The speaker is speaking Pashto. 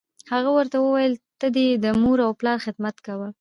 هغه ورته وویل: ته دې د مور و پلار خدمت کوه.